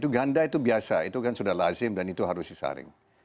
ganda itu biasa itu kan sudah lazim dan itu harus disaring